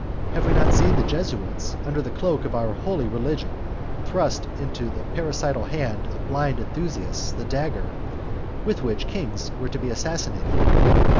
Have we not seen the Jesuits, under the cloak of our holy religion, thrust into the parricidal hand of blind enthusiasts the dagger with which kings were to be assassinated!